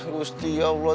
gusti ya allah